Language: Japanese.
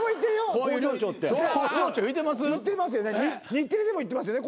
日テレでも言ってますよね